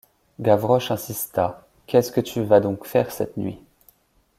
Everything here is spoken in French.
Gavroche insista :— Qu’est-ce que tu vas donc faire cette nuit ?